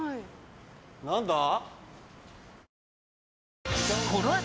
何だ？